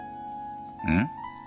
うん？